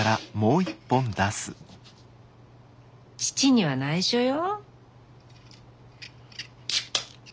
義父にはないしょよ。